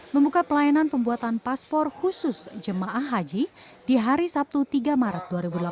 membuka pelayanan pembuatan paspor khusus jemaah haji di hari sabtu tiga maret dua ribu delapan belas